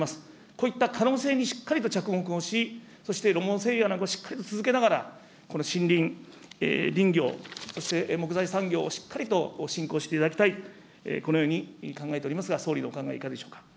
こういった可能性にしっかりと着目をし、そして路網整備などもしっかり続けながら、森林、林業、そして木材産業をしっかりと振興していただきたい、このように考えておりますが、総理のお考え、いかがでしょうか。